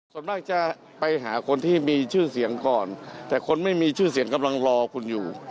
ส่วนมากจะไปหาคนที่มีชื่อเสียงก่อนแต่คนไม่มีชื่อเสียงกำลังรอคุณอยู่